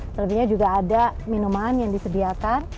selebihnya juga ada minuman yang disediakan